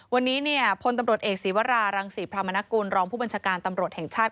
วันนี้เนี่ยพลตำรวจเอกศีวรารังศรีพรามนกุลรองผู้บัญชาการตำรวจแห่งชาติ